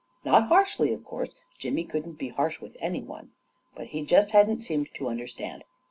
Not harshly, of course; Jimmy couldn't be harsh with any one ; but he just hadn't seemed to un derstand.